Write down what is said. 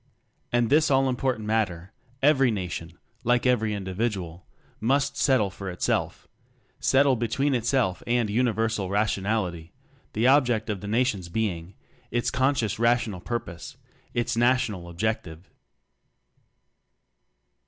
And this all important matter, every Nation (like every individual) must settle for itself settle between itself and Universal Rationality: The ob ject of the Nation's being; its con scious Rational purpose its National Objective.